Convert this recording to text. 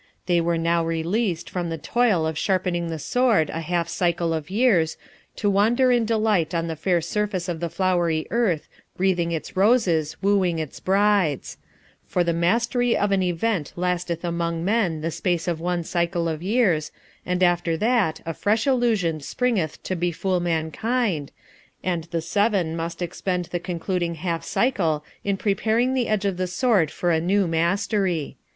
They were now released from the toil of sharpening the Sword a half cycle of years, to wander in delight on the fair surface of the flowery earth, breathing its roses, wooing its brides; for the mastery of an Event lasteth among men the space of one cycle of years, and after that a fresh Illusion springeth to befool mankind, and the Seven must expend the concluding half cycle in preparing the edge of the Sword for a new mastery.